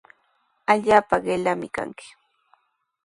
Allaapa qillami kanki.